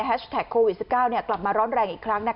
โควิด๑๙กลับมาร้อนแรงอีกครั้ง